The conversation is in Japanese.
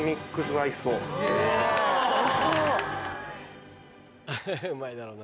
アハハうまいだろうな。